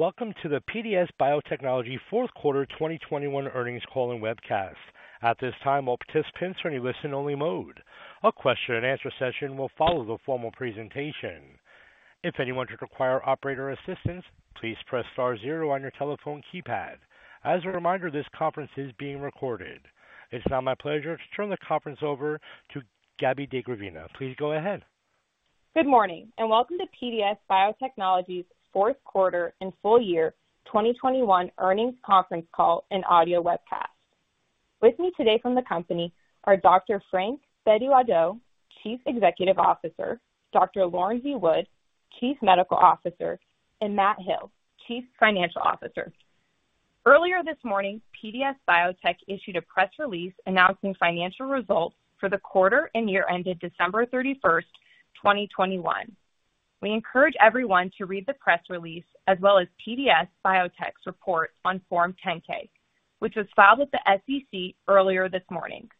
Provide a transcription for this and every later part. Hello, and welcome to the PDS Biotechnology fourth quarter 2021 earnings call and webcast. At this time, all participants are in listen-only mode. A question and answer session will follow the formal presentation. If anyone should require operator assistance, please press star zero on your telephone keypad. As a reminder, this conference is being recorded. It's now my pleasure to turn the conference over to Gabrielle DeGravina. Please go ahead. Good morning, and welcome to PDS Biotechnology's fourth quarter and full year 2021 earnings conference call and audio webcast. With me today from the company are Dr. Frank Bedu-Addo, Chief Executive Officer, Dr. Lauren Wood, Chief Medical Officer, and Matt Hill, Chief Financial Officer. Earlier this morning, PDS Biotech issued a press release announcing financial results for the quarter and year ended December 31, 2021. We encourage everyone to read the press release as well as PDS Biotech's report on Form 10-K, which was filed with the SEC earlier this morning.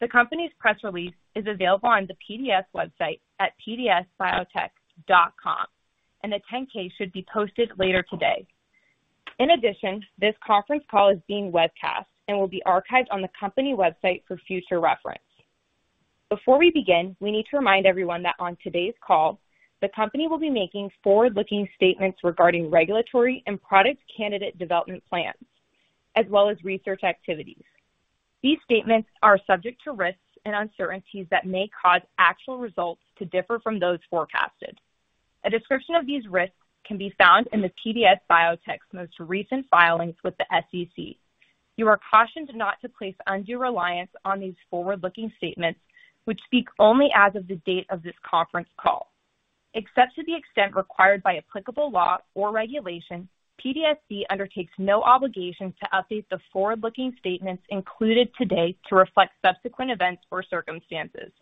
The company's press release is available on the PDS website at pdsbiotech.com, and the 10-K should be posted later today. In addition, this conference call is being webcast and will be archived on the company website for future reference. Before we begin, we need to remind everyone that on today's call, the company will be making forward-looking statements regarding regulatory and product candidate development plans, as well as research activities. These statements are subject to risks and uncertainties that may cause actual results to differ from those forecasted. A description of these risks can be found in the PDS Biotech's most recent filings with the SEC. You are cautioned not to place undue reliance on these forward-looking statements, which speak only as of the date of this conference call. Except to the extent required by applicable law or regulation, PDS Biotechnology undertakes no obligation to update the forward-looking statements included today to reflect subsequent events or circumstances.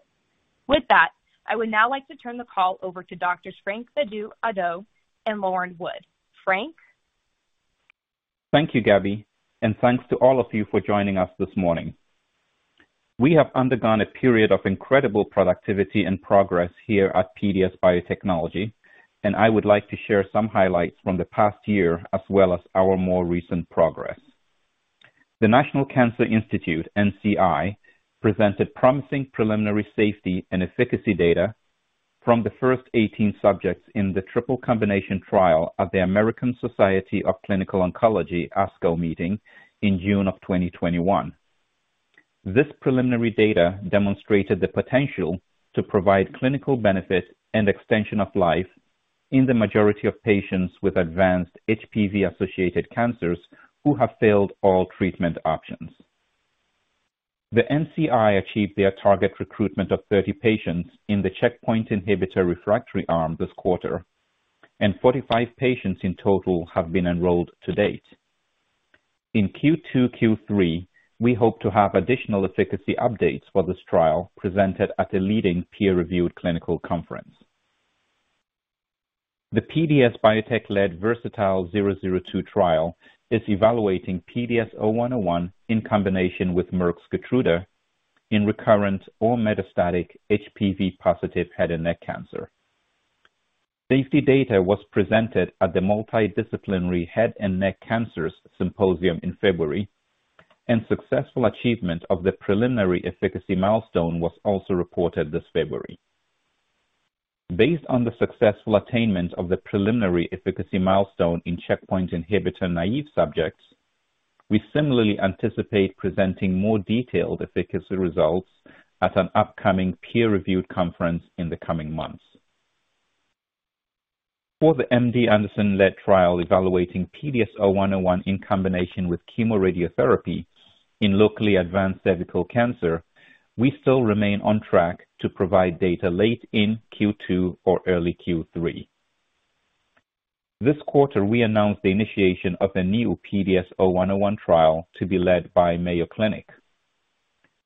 With that, I would now like to turn the call over to Drs. Frank Bedu-Addo and Lauren Wood. Frank. Thank you, Gabby, and thanks to all of you for joining us this morning. We have undergone a period of incredible productivity and progress here at PDS Biotechnology, and I would like to share some highlights from the past year as well as our more recent progress. The National Cancer Institute, NCI, presented promising preliminary safety and efficacy data from the first 18 subjects in the triple combination trial at the American Society of Clinical Oncology, ASCO meeting in June 2021. This preliminary data demonstrated the potential to provide clinical benefit and extension of life in the majority of patients with advanced HPV-associated cancers who have failed all treatment options. The NCI achieved their target recruitment of 30 patients in the checkpoint inhibitor refractory arm this quarter, and 45 patients in total have been enrolled to date. In Q2, Q3, we hope to have additional efficacy updates for this trial presented at a leading peer-reviewed clinical conference. The PDS Biotech-led VERSATILE-002 trial is evaluating PDS0101 in combination with Merck's KEYTRUDA in recurrent or metastatic HPV-positive head and neck cancer. Safety data was presented at the Multidisciplinary Head and Neck Cancers Symposium in February, and successful achievement of the preliminary efficacy milestone was also reported this February. Based on the successful attainment of the preliminary efficacy milestone in checkpoint inhibitor-naïve subjects, we similarly anticipate presenting more detailed efficacy results at an upcoming peer-reviewed conference in the coming months. For the MD Anderson-led trial evaluating PDS0101 in combination with chemoradiotherapy in locally advanced cervical cancer, we still remain on track to provide data late in Q2 or early Q3. This quarter, we announced the initiation of a new PDS0101 trial to be led by Mayo Clinic.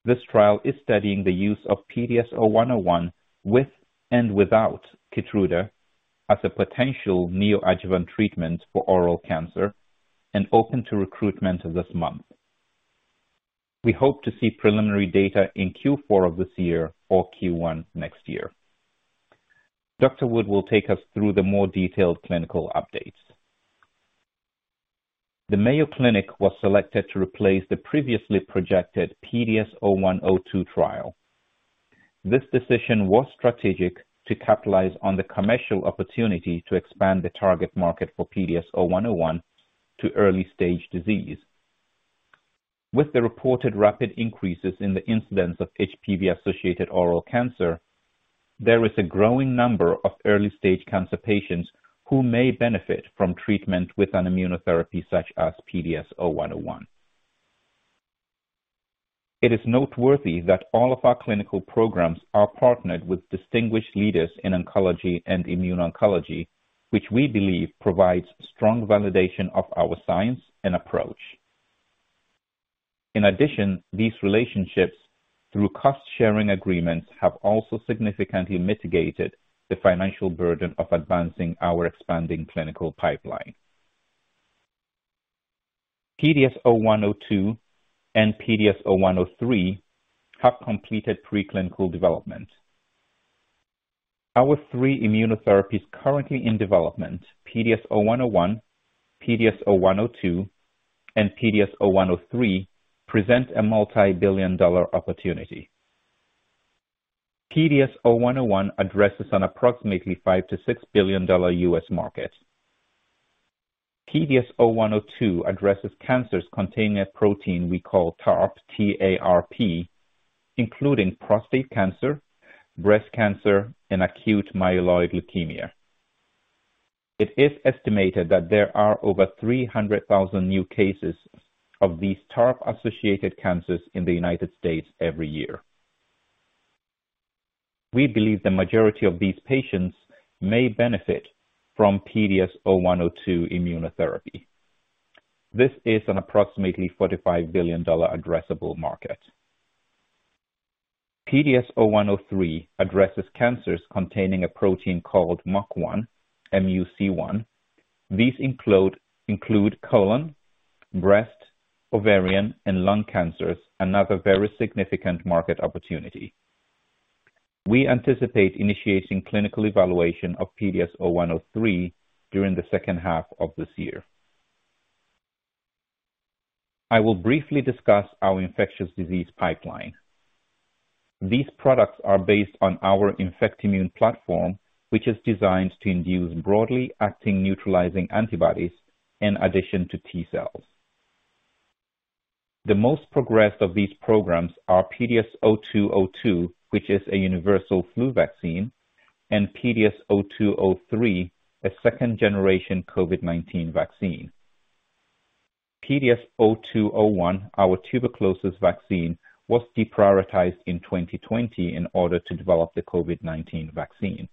This trial is studying the use of PDS0101 with and without KEYTRUDA as a potential neoadjuvant treatment for oral cancer and open to recruitment this month. We hope to see preliminary data in Q4 of this year or Q1 next year. Dr. Wood will take us through the more detailed clinical updates. The Mayo Clinic was selected to replace the previously projected PDS-0102 trial. This decision was strategic to capitalize on the commercial opportunity to expand the target market for PDS0101 to early-stage disease. With the reported rapid increases in the incidence of HPV-associated oral cancer, there is a growing number of early-stage cancer patients who may benefit from treatment with an immunotherapy such as PDS0101. It is noteworthy that all of our clinical programs are partnered with distinguished leaders in oncology and immuno-oncology, which we believe provides strong validation of our science and approach. In addition, these relationships through cost-sharing agreements have also significantly mitigated the financial burden of advancing our expanding clinical pipeline. PDS-0102 and PDS-0103 have completed preclinical development. Our three immunotherapies currently in development, PDS-0101, PDS-0102, and PDS-0103, present a multi-billion-dollar opportunity. PDS-0101 addresses an approximately $5 billion-$6 billion U.S. market. PDS-0102 addresses cancers containing a protein we call TARP, T-A-R-P, including prostate cancer, breast cancer, and acute myeloid leukemia. It is estimated that there are over 300,000 new cases of these TARP-associated cancers in the United States every year. We believe the majority of these patients may benefit from PDS-0102 immunotherapy. This is an approximately $45 billion addressable market. PDS-0103 addresses cancers containing a protein called MUC1, M-U-C-1. These include colon, breast, ovarian, and lung cancers, another very significant market opportunity. We anticipate initiating clinical evaluation of PDS-0103 during the second half of this year. I will briefly discuss our infectious disease pipeline. These products are based on our INFECTIMUNE platform, which is designed to induce broadly acting neutralizing antibodies in addition to T cells. The most progressed of these programs are PDS-0202, which is a universal flu vaccine, and PDS-0203, a second-generation COVID-19 vaccine. PDS-0201, our tuberculosis vaccine, was deprioritized in 2020 in order to develop the COVID-19 vaccine.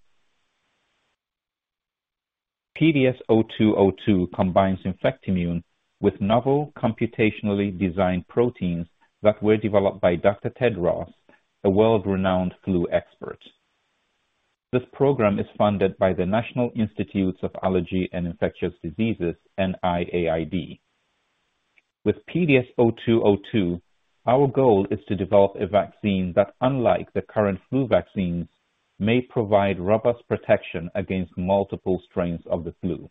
PDS-0202 combines INFECTIMUNE with novel computationally designed proteins that were developed by Dr. Ted Ross, a world-renowned flu expert. This program is funded by the National Institute of Allergy and Infectious Diseases, NIAID. With PDS-0202, our goal is to develop a vaccine that, unlike the current flu vaccines, may provide robust protection against multiple strains of the flu.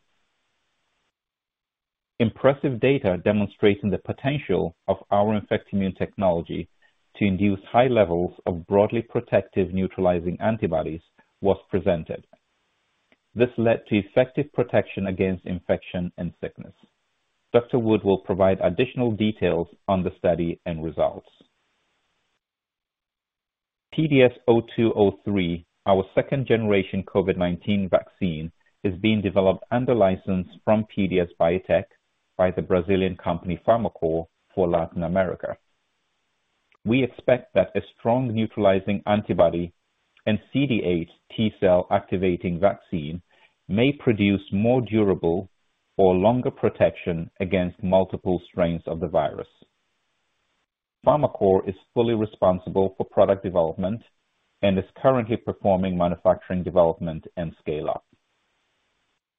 Impressive data demonstrating the potential of our Infectimune technology to induce high levels of broadly protective neutralizing antibodies was presented. This led to effective protection against infection and sickness. Dr. Wood will provide additional details on the study and results. PDS-0203, our second-generation COVID-19 vaccine, is being developed under license from PDS Biotech by the Brazilian company FarmaCore for Latin America. We expect that a strong neutralizing antibody and CD8 T-cell activating vaccine may produce more durable or longer protection against multiple strains of the virus. FarmaCore is fully responsible for product development and is currently performing manufacturing development and scale-up.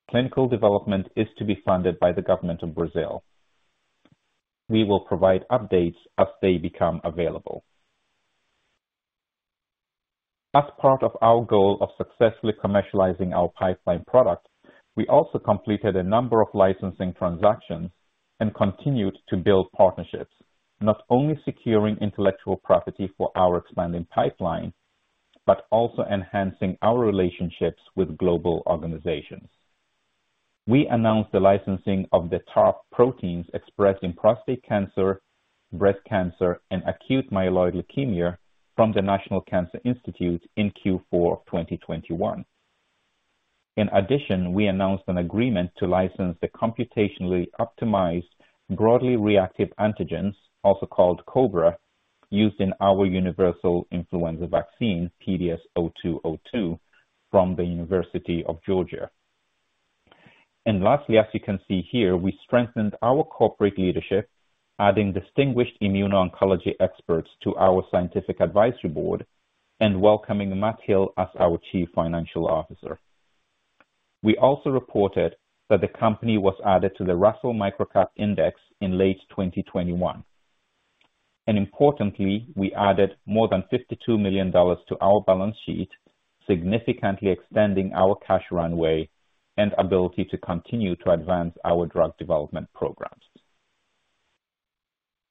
Clinical development is to be funded by the government of Brazil. We will provide updates as they become available. As part of our goal of successfully commercializing our pipeline product, we also completed a number of licensing transactions and continued to build partnerships, not only securing intellectual property for our expanding pipeline, but also enhancing our relationships with global organizations. We announced the licensing of the TARP proteins expressed in prostate cancer, breast cancer, and acute myeloid leukemia from the National Cancer Institute in Q4 2021. In addition, we announced an agreement to license the Computationally Optimized Broadly Reactive Antigens, also called COBRA, used in our universal influenza vaccine, PDS-0202, from the University of Georgia. Lastly, as you can see here, we strengthened our corporate leadership, adding distinguished immuno-oncology experts to our scientific advisory board and welcoming Matt Hill as our Chief Financial Officer. We also reported that the company was added to the Russell Microcap Index in late 2021. Importantly, we added more than $52 million to our balance sheet, significantly extending our cash runway and ability to continue to advance our drug development programs.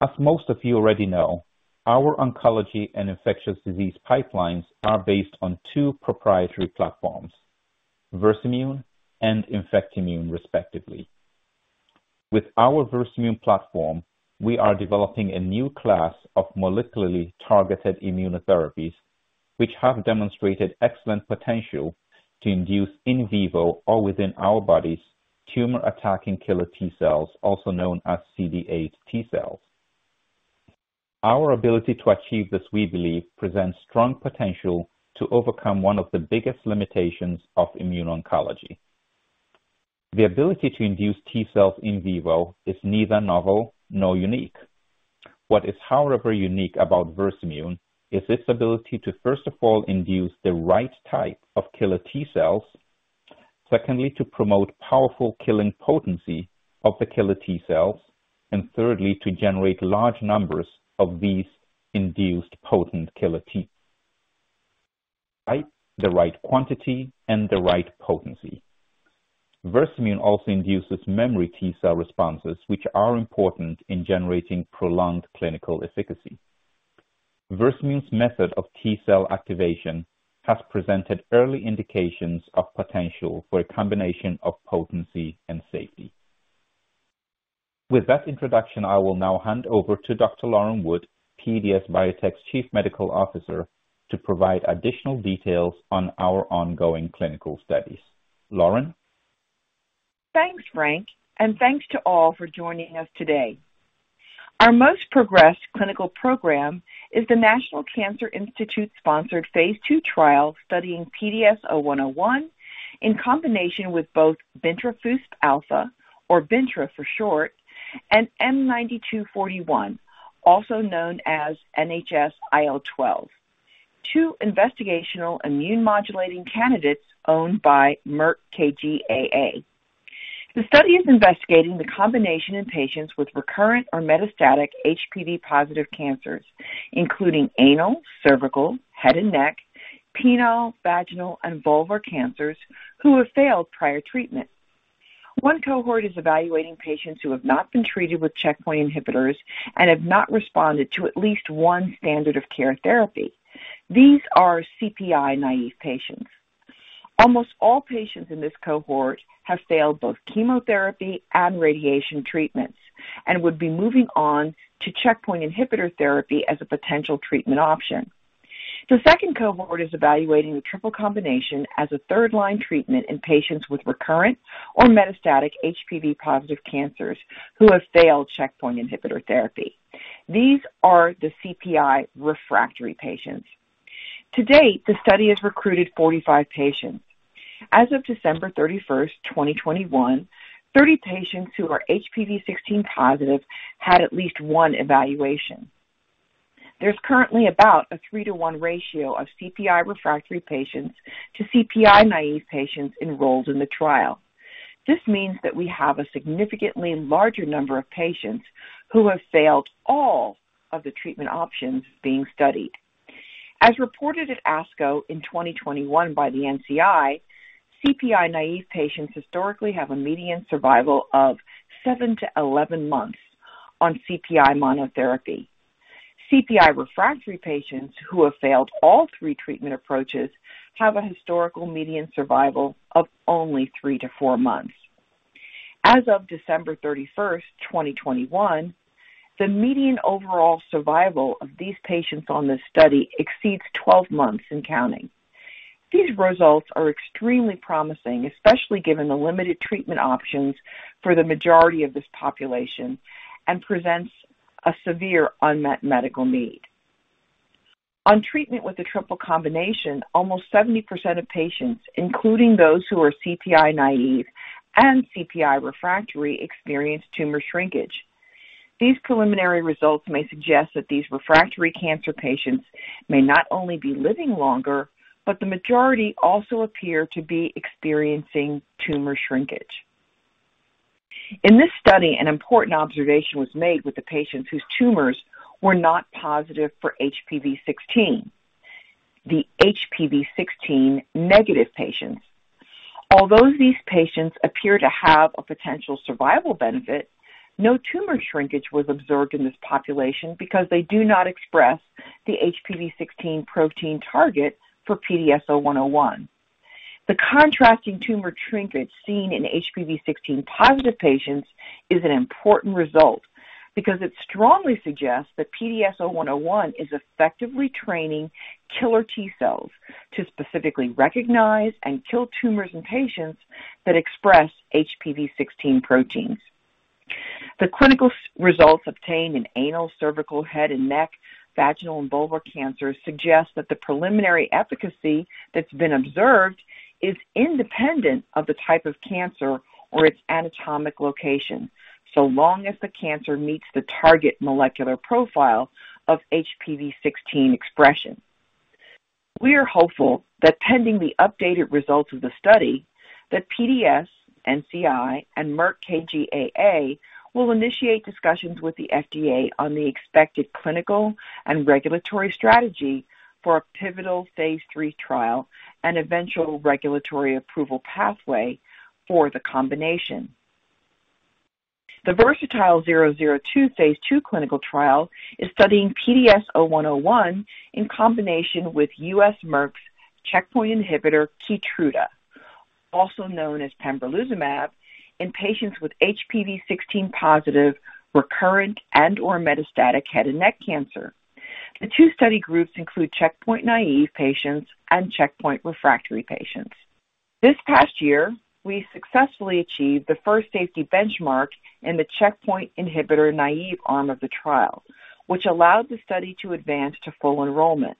As most of you already know, our oncology and infectious disease pipelines are based on two proprietary platforms, Versamune and Infectimune, respectively. With our Versamune platform, we are developing a new class of molecularly targeted immunotherapies, which have demonstrated excellent potential to induce in vivo or within our bodies, tumor-attacking killer T cells, also known as CD8 T cells. Our ability to achieve this, we believe, presents strong potential to overcome one of the biggest limitations of immuno-oncology. The ability to induce T cells in vivo is neither novel nor unique. What is, however, unique about Versamune is its ability to, first of all, induce the right type of killer T cells. Secondly, to promote powerful killing potency of the killer T cells. Thirdly, to generate large numbers of these induced potent killer T. Right, the right quantity and the right potency. Versamune also induces memory T cell responses which are important in generating prolonged clinical efficacy. Versamune's method of T cell activation has presented early indications of potential for a combination of potency and safety. With that introduction, I will now hand over to Dr. Lauren Wood, PDS Biotech's Chief Medical Officer, to provide additional details on our ongoing clinical studies. Lauren. Thanks, Frank, and thanks to all for joining us today. Our most progressed clinical program is the National Cancer Institute-sponsored phase II trial studying PDS0101 in combination with both Bintrafusp alfa or Bintra for short, and M9241, also known as NHS-IL12. Two investigational immune modulating candidates owned by Merck KGaA. The study is investigating the combination in patients with recurrent or metastatic HPV-positive cancers, including anal, cervical, head and neck, penile, vaginal and vulvar cancers who have failed prior treatment. One cohort is evaluating patients who have not been treated with checkpoint inhibitors and have not responded to at least one standard of care therapy. These are CPI-naive patients. Almost all patients in this cohort have failed both chemotherapy and radiation treatments and would be moving on to checkpoint inhibitor therapy as a potential treatment option. The second cohort is evaluating the triple combination as a third-line treatment in patients with recurrent or metastatic HPV-positive cancers who have failed checkpoint inhibitor therapy. These are the CPI refractory patients. To date, the study has recruited 45 patients. As of December 31, 2021, 30 patients who are HPV-16 positive had at least one evaluation. There's currently about a 3-to-1 ratio of CPI refractory patients to CPI-naive patients enrolled in the trial. This means that we have a significantly larger number of patients who have failed all of the treatment options being studied. As reported at ASCO in 2021 by the NCI, CPI-naive patients historically have a median survival of 7-11 months on CPI monotherapy. CPI refractory patients who have failed all three treatment approaches have a historical median survival of only 3-4 months. As of December 31, 2021, the median overall survival of these patients on this study exceeds 12 months and counting. These results are extremely promising, especially given the limited treatment options for the majority of this population and presents a severe unmet medical need. On treatment with the triple combination, almost 70% of patients, including those who are CPI-naive and CPI refractory, experienced tumor shrinkage. These preliminary results may suggest that these refractory cancer patients may not only be living longer, but the majority also appear to be experiencing tumor shrinkage. In this study, an important observation was made with the patients whose tumors were not positive for HPV-16, the HPV-16 negative patients. Although these patients appear to have a potential survival benefit, no tumor shrinkage was observed in this population because they do not express the HPV-16 protein target for PDS-0101. The contrasting tumor shrinkage seen in HPV-16 positive patients is an important result because it strongly suggests that PDS-0101 is effectively training killer T cells to specifically recognize and kill tumors in patients that express HPV-16 proteins. The clinical results obtained in anal, cervical, head and neck, vaginal and vulvar cancers suggest that the preliminary efficacy that's been observed is independent of the type of cancer or its anatomic location, so long as the cancer meets the target molecular profile of HPV-16 expression. We are hopeful that pending the updated results of the study, that PDS, NCI and Merck KGaA will initiate discussions with the FDA on the expected clinical and regulatory strategy for a pivotal phase III trial and eventual regulatory approval pathway for the combination. The VERSATILE-002 phase II clinical trial is studying PDS0101 in combination with U.S. Merck's checkpoint inhibitor KEYTRUDA, also known as pembrolizumab, in patients with HPV-16 positive recurrent and/or metastatic head and neck cancer. The two study groups include checkpoint-naive patients and checkpoint refractory patients. This past year, we successfully achieved the first safety benchmark in the checkpoint inhibitor-naive arm of the trial, which allowed the study to advance to full enrollment.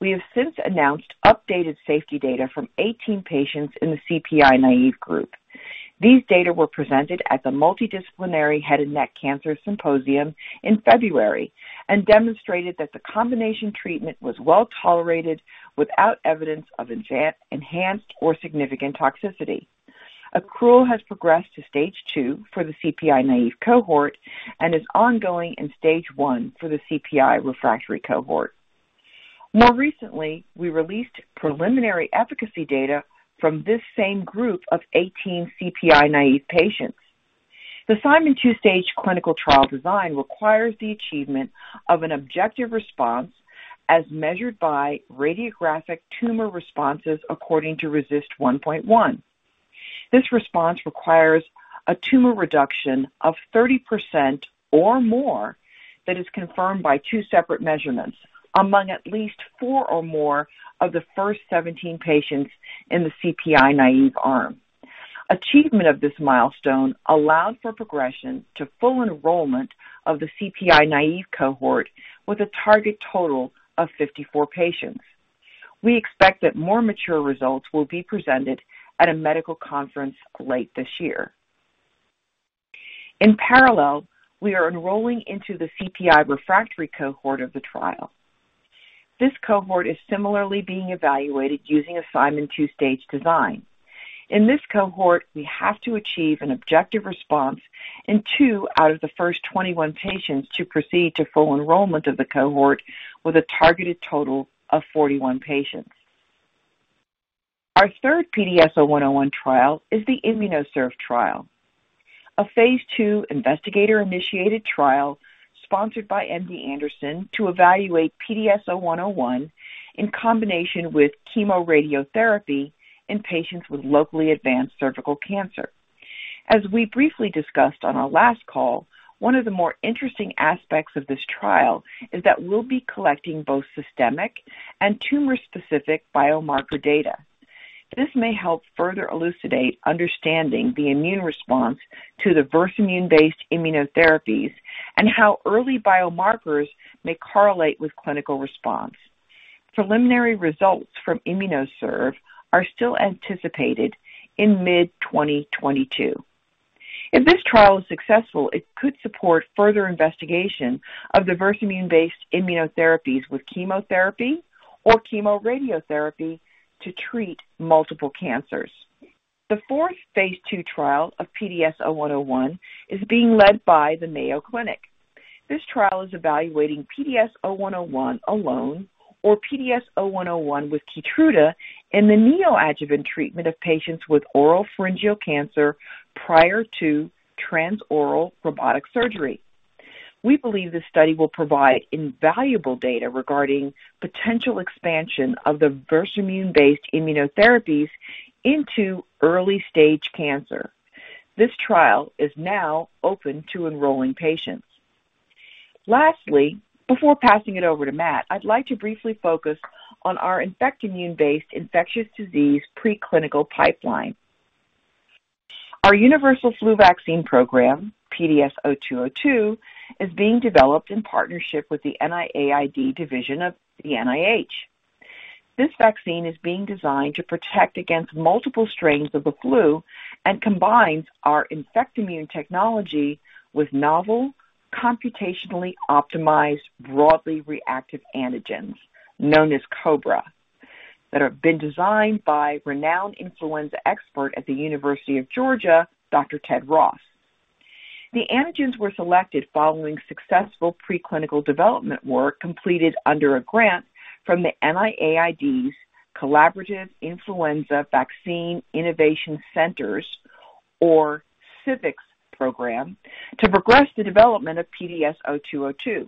We have since announced updated safety data from 18 patients in the CPI-naive group. These data were presented at the Multidisciplinary Head and Neck Cancers Symposium in February and demonstrated that the combination treatment was well tolerated without evidence of enhanced or significant toxicity. Accrual has progressed to stage 2 for the CPI-naive cohort and is ongoing in stage 1 for the CPI refractory cohort. More recently, we released preliminary efficacy data from this same group of 18 CPI naive patients. The Simon two-stage clinical trial design requires the achievement of an objective response as measured by radiographic tumor responses according to RECIST 1.1. This response requires a tumor reduction of 30% or more that is confirmed by two separate measurements among at least four or more of the first 17 patients in the CPI naive arm. Achievement of this milestone allowed for progression to full enrollment of the CPI naive cohort with a target total of 54 patients. We expect that more mature results will be presented at a medical conference late this year. In parallel, we are enrolling into the CPI refractory cohort of the trial. This cohort is similarly being evaluated using a Simon two-stage design. In this cohort, we have to achieve an objective response in 2 out of the first 21 patients to proceed to full enrollment of the cohort with a targeted total of 41 patients. Our third PDS0101 trial is the IMMUNOCERV trial, a phase II investigator-initiated trial sponsored by MD Anderson to evaluate PDS0101 in combination with chemoradiotherapy in patients with locally advanced cervical cancer. As we briefly discussed on our last call, one of the more interesting aspects of this trial is that we'll be collecting both systemic and tumor-specific biomarker data. This may help further elucidate understanding the immune response to the Versamune-based immunotherapies and how early biomarkers may correlate with clinical response. Preliminary results from IMMUNOCERV are still anticipated in mid-2022. If this trial is successful, it could support further investigation of the Versamune-based immunotherapies with chemotherapy or chemoradiotherapy to treat multiple cancers. The fourth phase II trial of PDS0101 is being led by the Mayo Clinic. This trial is evaluating PDS0101 alone or PDS0101 with KEYTRUDA in the neoadjuvant treatment of patients with oropharyngeal cancer prior to transoral robotic surgery. We believe this study will provide invaluable data regarding potential expansion of the Versamune-based immunotherapies into early stage cancer. This trial is now open to enrolling patients. Lastly, before passing it over to Matt, I'd like to briefly focus on our Infectimune-based infectious disease preclinical pipeline. Our universal flu vaccine program, PDS0202, is being developed in partnership with the NIAID division of the NIH. This vaccine is being designed to protect against multiple strains of the flu and combines our Infectimune technology with novel computationally optimized, broadly reactive antigens known as COBRA, that have been designed by renowned influenza expert at the University of Georgia, Dr. Ted Ross. The antigens were selected following successful preclinical development work completed under a grant from the NIAID's Collaborative Influenza Vaccine Innovation Centers, or CIVICs program, to progress the development of PDS0202.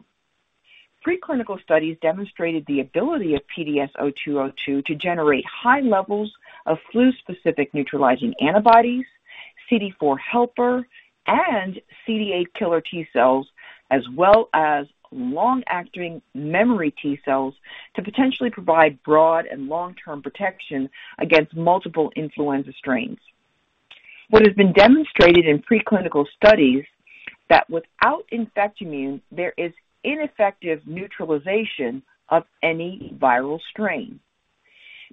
Preclinical studies demonstrated the ability of PDS0202 to generate high levels of flu-specific neutralizing antibodies, CD4 helper and CD8 killer T cells, as well as long-acting memory T cells to potentially provide broad and long-term protection against multiple influenza strains. What has been demonstrated in preclinical studies that without Infectimune, there is ineffective neutralization of any viral strain.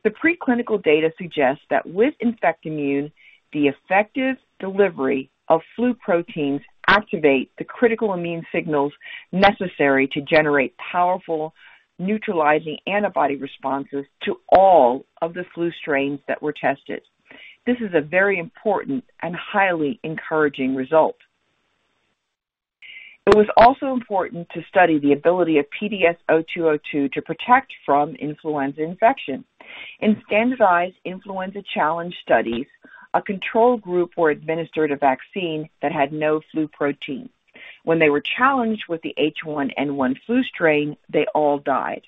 The preclinical data suggests that with Infectimune, the effective delivery of flu proteins activate the critical immune signals necessary to generate powerful neutralizing antibody responses to all of the flu strains that were tested. This is a very important and highly encouraging result. It was also important to study the ability of PDS0202 to protect from influenza infection. In standardized influenza challenge studies, a control group were administered a vaccine that had no flu protein. When they were challenged with the H1N1 flu strain, they all died.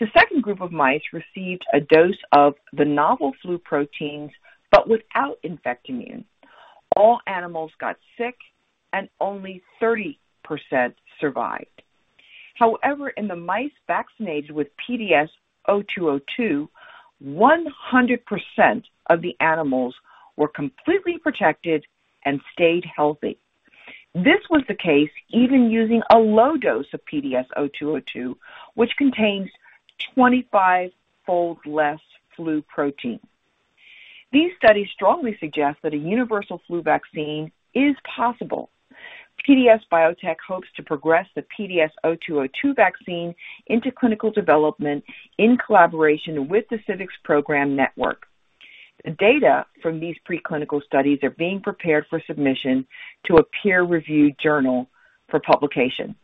The second group of mice received a dose of the novel flu proteins, but without Infectimune. All animals got sick and only 30% survived. However, in the mice vaccinated with PDS0202, 100% of the animals were completely protected and stayed healthy. This was the case even using a low dose of PDS0202, which contains 25-fold less flu protein. These studies strongly suggest that a universal flu vaccine is possible. PDS Biotech hopes to progress the PDS0202 vaccine into clinical development in collaboration with the CIVICs Program network. Data from these preclinical studies are being prepared for submission to a peer-reviewed journal for publication.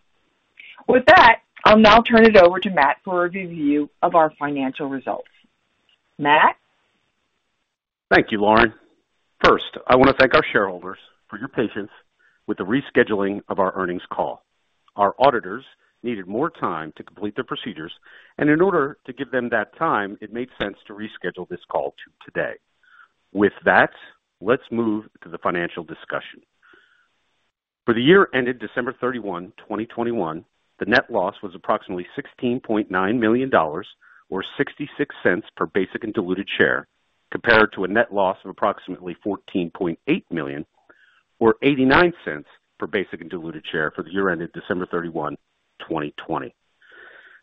With that, I'll now turn it over to Matt for a review of our financial results. Matt? Thank you, Lauren. First, I want to thank our shareholders for your patience with the rescheduling of our earnings call. Our auditors needed more time to complete their procedures, and in order to give them that time, it made sense to reschedule this call to today. With that, let's move to the financial discussion. For the year ended December 31, 2021, the net loss was approximately $16.9 million, or $0.66 per basic and diluted share, compared to a net loss of approximately $14.8 million or $0.89 per basic and diluted share for the year ended December 31, 2020.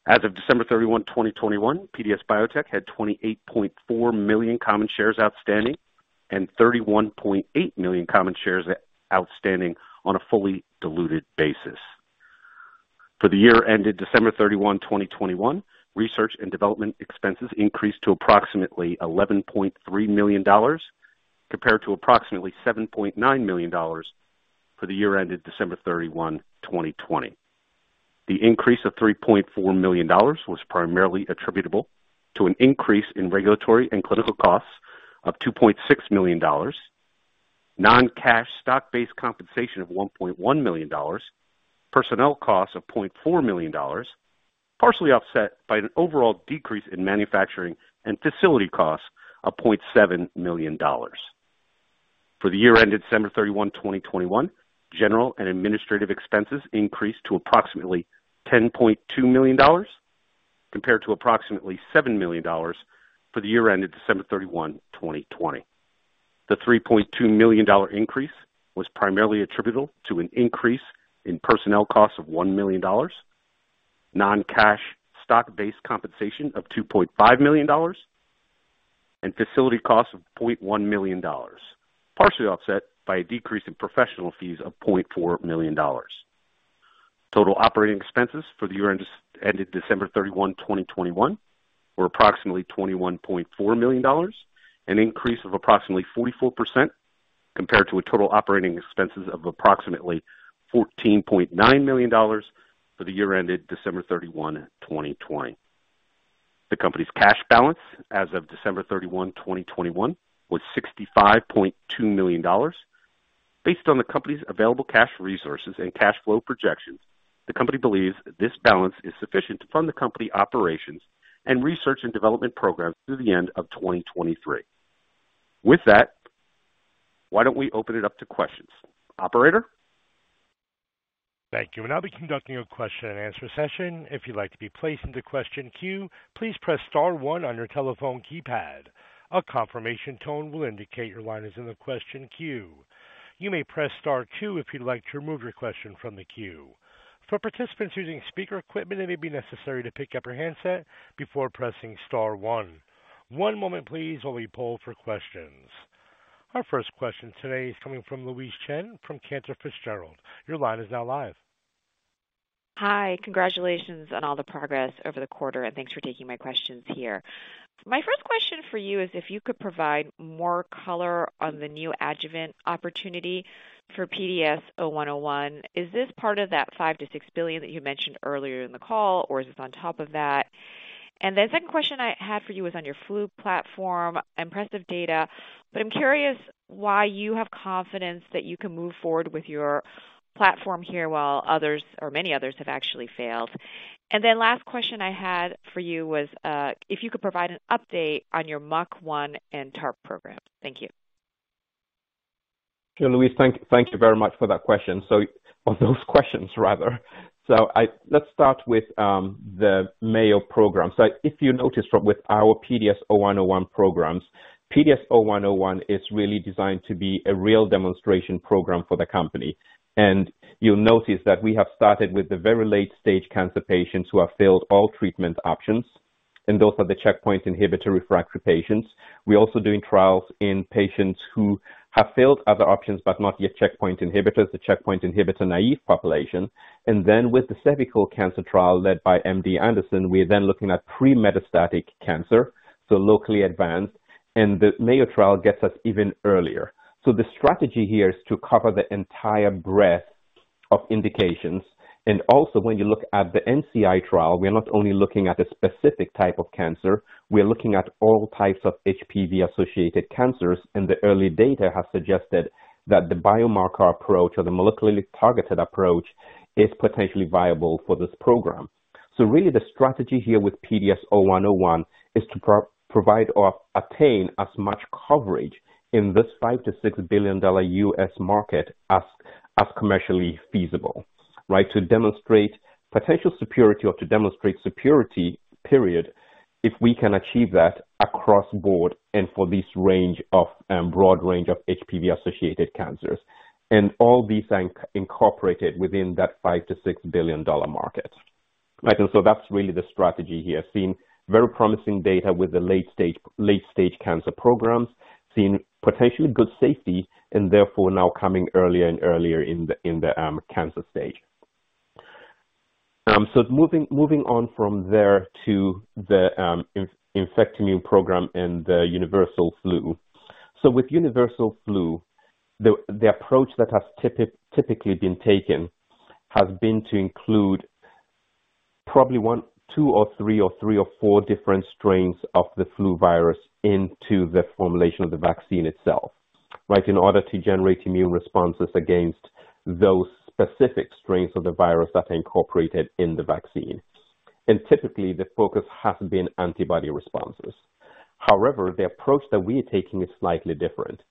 As of December 31, 2021, PDS Biotech had 28.4 million common shares outstanding and 31.8 million common shares outstanding on a fully diluted basis. For the year ended December 31, 2021, research and development expenses increased to approximately $11.3 million compared to approximately $7.9 million for the year ended December 31, 2020. The increase of $3.4 million was primarily attributable to an increase in regulatory and clinical costs of $2.6 million, non-cash stock-based compensation of $1.1 million, personnel costs of $0.4 million, partially offset by an overall decrease in manufacturing and facility costs of $0.7 million. For the year ended December 31, 2021, general and administrative expenses increased to approximately $10.2 million compared to approximately $7 million for the year ended December 31, 2020. The $3.2 million increase was primarily attributable to an increase in personnel costs of $1 million, non-cash stock-based compensation of $2.5 million, and facility costs of $0.1 million, partially offset by a decrease in professional fees of $0.4 million. Total operating expenses for the year ended December 31, 2021 were approximately $21.4 million, an increase of approximately 44% compared to total operating expenses of approximately $14.9 million for the year ended December 31, 2020. The company's cash balance as of December 31, 2021 was $65.2 million. Based on the company's available cash resources and cash flow projections, the company believes this balance is sufficient to fund the company operations and research and development programs through the end of 2023. With that, why don't we open it up to questions. Operator? Thank you. We'll now be conducting a question and answer session. If you'd like to be placed into question queue, please press *1 on your telephone keypad. A confirmation tone will indicate your line is in the question queue. You may press *2 if you'd like to remove your question from the queue. For participants using speaker equipment, it may be necessary to pick up your handset before pressing *1. One moment please, while we poll for questions. Our first question today is coming from Louise Chen from Cantor Fitzgerald. Your line is now live. Hi. Congratulations on all the progress over the quarter, and thanks for taking my questions here. My first question for you is if you could provide more color on the new adjuvant opportunity for PDS0101. Is this part of that $5 billion-$6 billion that you mentioned earlier in the call, or is this on top of that? The second question I had for you was on your flu platform. Impressive data, but I'm curious why you have confidence that you can move forward with your platform here, while others or many others have actually failed. The last question I had for you was if you could provide an update on your MUC1 and TARP program. Thank you. Sure. Louise, thank you very much for that question for those questions rather. Let's start with the Mayo program. If you notice within our PDS-0101 programs, PDS-0101 is really designed to be a real demonstration program for the company. You'll notice that we have started with the very late stage cancer patients who have failed all treatment options, and those are the checkpoint inhibitor refractory patients. We're also doing trials in patients who have failed other options but not yet checkpoint inhibitors, the checkpoint inhibitor-naive population. With the cervical cancer trial led by MD Anderson, we're then looking at pre-metastatic cancer, so locally advanced. The Mayo trial gets us even earlier. The strategy here is to cover the entire breadth of indications. Also when you look at the NCI trial, we are not only looking at a specific type of cancer, we are looking at all types of HPV-associated cancers. The early data has suggested that the biomarker approach or the molecularly targeted approach is potentially viable for this program. Really the strategy here with PDS-0101 is to provide or attain as much coverage in this $5 billion-$6 billion U.S. market as commercially feasible, right? To demonstrate potential superiority or to demonstrate superiority period if we can achieve that across the board and for this range of broad range of HPV-associated cancers, and all these incorporated within that $5 billion-$6 billion market. Right. That's really the strategy here, seeing very promising data with the late-stage cancer programs, seeing potentially good safety and therefore now coming earlier and earlier in the cancer stage. Moving on from there to the Infectimune program and the universal flu. With universal flu, the approach that has typically been taken has been to include probably one, two or three or four different strains of the flu virus into the formulation of the vaccine itself, right? In order to generate immune responses against those specific strains of the virus that are incorporated in the vaccine. Typically, the focus has been antibody responses. However, the approach that we're taking is slightly different.